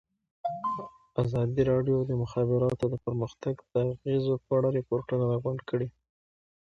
ازادي راډیو د د مخابراتو پرمختګ د اغېزو په اړه ریپوټونه راغونډ کړي.